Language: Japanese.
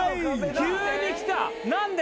急にきた何で？